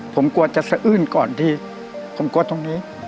ผมกลัวจะสะอื้นก่อนที่ผมกลัวตรงนี้